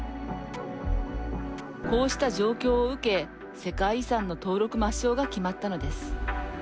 こうした状況を受け世界遺産の登録抹消が決まったのです。